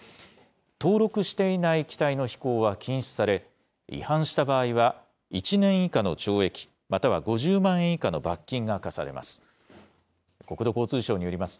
登録していない機体の飛行は禁止され、違反した場合は１年以下の懲役、または５０万円以下の罰金が科されます。